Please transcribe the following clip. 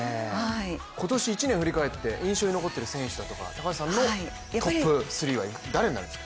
今年１年を振り返って印象に残っている選手だとか、高橋さんのトップ３は誰になるんですか。